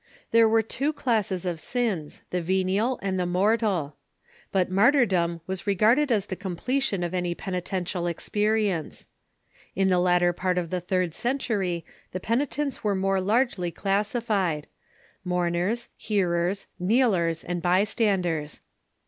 There were two classes of sins — the venial and the mortal. But martyrdom was regarded as the completion of any penitential experience. In the latter part of the third century the penitents were more largely classified : mourners, 80 THE EARLY CHURCH hearers, kneelers, and bystanders.